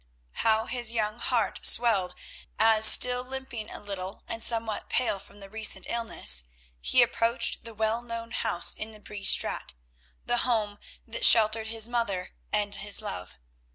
How his young heart swelled as, still limping a little and somewhat pale from recent illness, he approached the well known house in the Bree Straat, the home that sheltered his mother and his love.